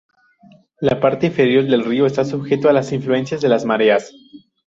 La parte inferior del río está sujeto a las influencias de las mareas.